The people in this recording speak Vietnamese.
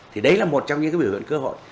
thì đấy là một trong những cái biểu luận cơ hội